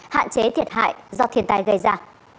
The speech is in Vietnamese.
hạn chế thiệt hại do thiên tai gây ra